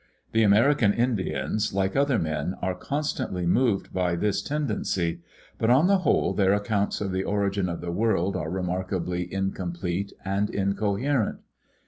The American Indians like other men are constantly moved by this tendency, but on the whole their accounts of the origin of the world are remarkably incomplete and incoherent.